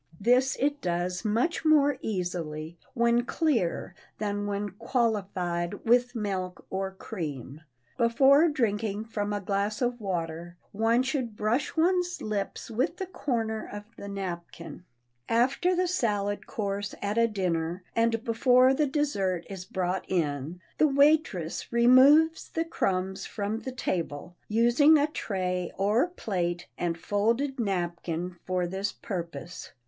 This it does much more easily when clear than when "qualified" with milk or cream. Before drinking from a glass of water one should brush one's lips with the corner of the napkin. After the salad course at a dinner, and before the dessert is brought in, the waitress removes the crumbs from the table, using a tray or plate and folded napkin for this purpose.